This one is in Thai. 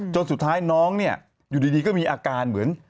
จนสุดท้ายน้องเนี่ยอยู่ดีก็มีอาการเหมือน